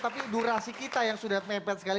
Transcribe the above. tapi durasi kita yang sudah mepet sekali